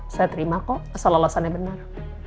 saya terima kok kesalahan kesalahannya benar